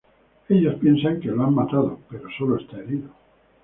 Ellos piensan que lo han matado, pero solo está herido.